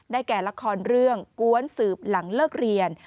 แก่ละครเรื่องกวนสืบหลังเลิกเรียน